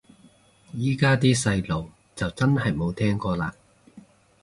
依家啲細路就真係冇聽過嘞